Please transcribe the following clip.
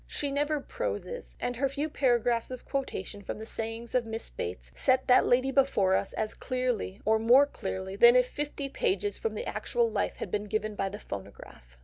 She never proses, and her few paragraphs of quotation from the sayings of Miss Bates set that lady before us as clearly or more clearly than if fifty pages from the actual life had been given by the phonograph.